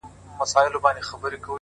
څوك دي د جاناني كيسې نه كوي؛